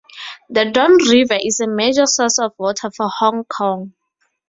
The Dong River is a major source of water for Hong Kong.